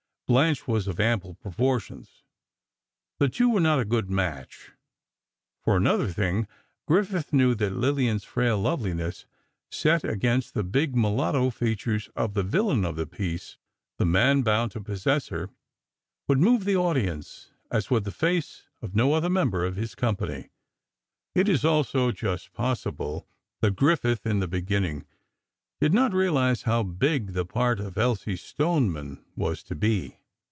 Blanche was of ample proportions; the two were not a good match. For another thing, Griffith knew that Lillian's frail loveliness set against the big mulatto features of the villain of the piece, the man bound to possess her, would move the audience as would the face of no other member of his company. It is also just possible that Griffith, in the beginning, did not realize how big the part of Elsie Stoneman was to be.